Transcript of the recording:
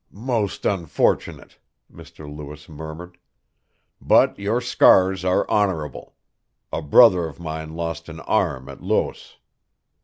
"Most unfortunate," Mr. Lewis murmured. "But your scars are honorable. A brother of mine lost an arm at Loos."